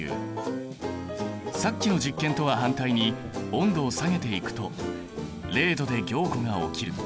さっきの実験とは反対に温度を下げていくと０℃で凝固が起きる。